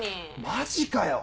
マジかよ！